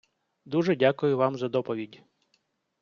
дуже дякую вам за доповідь!